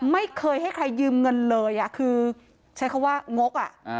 ไม่เคยให้ใครยืมเงินเลยคือใช้คำว่างก